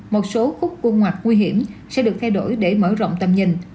một số khúc côn ngoặt nguy hiểm sẽ được thay đổi để mở rộng tầm nhìn